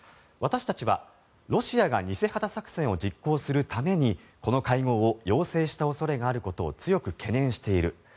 私たちはロシアが偽旗作戦を実行するためにこの会合を要請した恐れがあることを強く懸念している。